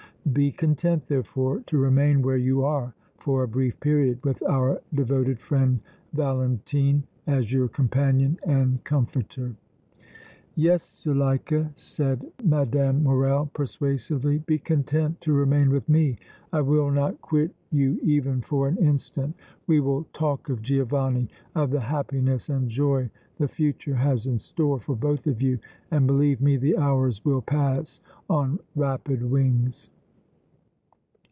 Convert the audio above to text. Be content, therefore, to remain where you are for a brief period, with our devoted friend Valentine as your companion and comforter." "Yes, Zuleika," said Mme. Morrel, persuasively, "be content to remain with me. I will not quit you even for an instant. We will talk of Giovanni, of the happiness and joy the future has in store for both of you, and, believe me, the hours will pass on rapid wings!"